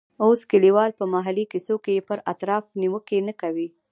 اوس کلیوال په محلي کیسو کې پر افراط نیوکې نه کوي.